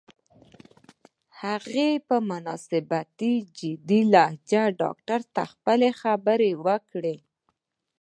هغې په نسبتاً جدي لهجه ډاکټر ته خپلې خبرې وکړې.